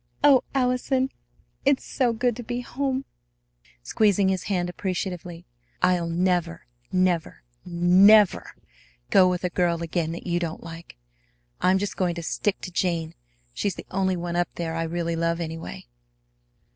"O Allison! It's so good to be home!" she murmured, squeezing his hand appreciatively. "I'll never, never, never go with a girl again that you don't like. I'm just going to stick to Jane. She's the only one up there I really love, anyway."